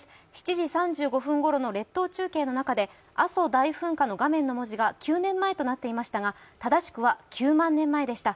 ７時３５分頃の列島中継の中で阿蘇大噴火の文字が９年前となっていましたが正しくは９万年前でした。